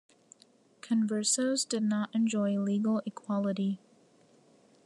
Conversos did not enjoy legal equality.